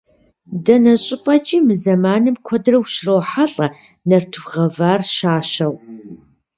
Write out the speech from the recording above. Дэнэ щӏыпӏэкӏи мы зэманым куэдрэ ущрохьэлӏэ нартыху гъэвахэр щащэу.